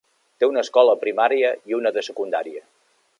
Té una escola primària i una de secundària.